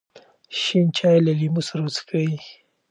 شین چای له لیمو سره وڅښئ.